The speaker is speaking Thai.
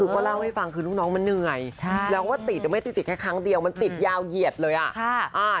คือก็เล่าให้ฟังคือลูกน้องมันเหนื่อยแล้วว่าติดหรือไม่ติดแค่ครั้งเดียวมันติดยาวเหยียดเลยอ่ะ